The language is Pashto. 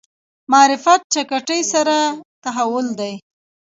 معرفت چټکۍ سره تحول دی.